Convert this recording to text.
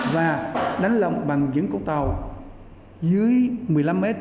và đánh lộng bằng những con tàu dưới một mươi năm mét